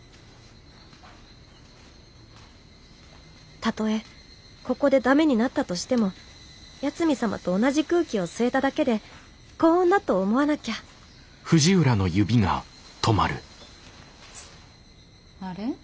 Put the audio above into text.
たとえここでダメになったとしても八海サマと同じ空気を吸えただけで幸運だと思わなきゃあれ？